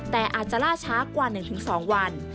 แต่อาจจะล่าช้ากว่า๑๒วัน